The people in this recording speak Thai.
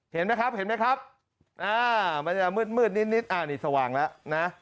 เห็นไหมครับเห็นไหมครับมันจะมืดนิดนี่สว่างแล้วนะ